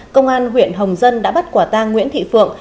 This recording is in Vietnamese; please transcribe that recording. công an huyện hồng dân đã bắt quả tang nguyễn thị phượng